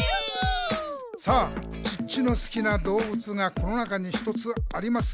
「さぁチッチの好きな動物がこの中に１つありますよ！」